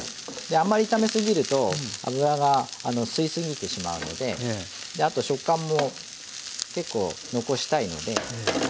あんまり炒め過ぎると油が吸い過ぎてしまうのであと食感も結構残したいので。